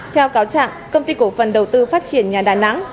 theo cáo trạng công ty cổ phần đầu tư phát triển nhà đà nẵng